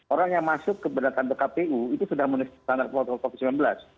orang yang masuk ke pendatangan kpu itu sudah menentukan protokol covid sembilan belas